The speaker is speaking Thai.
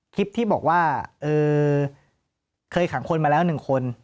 คลิปที่บอกว่าเคยขังคนมาแล้ว๑คน